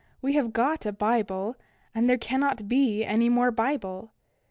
We have got a Bible, and there cannot be any more Bible.